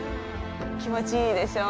気持ちいいでしょう？